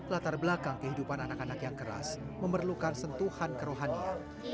latar belakang kehidupan anak anak yang keras memerlukan sentuhan kerohania